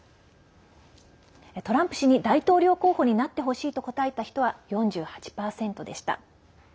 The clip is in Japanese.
トランプ氏に大統領候補になってほしいと答えた人は４８％でした。